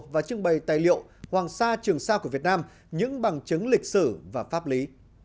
và trưng bày tài liệu hoàng sa trường sa của việt nam những bằng chứng lịch sử và pháp lý